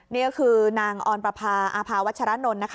นี่ก็คือนางออนประพาอาภาวัชรนนท์นะคะ